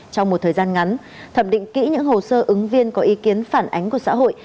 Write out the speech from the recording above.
trong một thời gian ngắn thẩm định kỹ những hồ sơ ứng viên có ý kiến phản ánh của xã hội